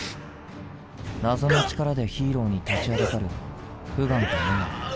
謎の力でヒーローに立ちはだかるフガンとムガン。